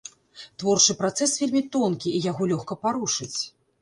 Творчы працэс вельмі тонкі і яго лёгка парушыць.